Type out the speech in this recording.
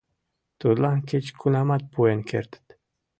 Тудлан кеч-кунамат пуэн кертыт.